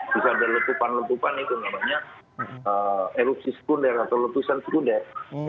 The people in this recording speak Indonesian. bisa ada letupan letupan itu namanya erupsi sekunder atau letusan sekunder